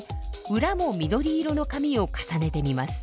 裏も緑色の紙を重ねてみます。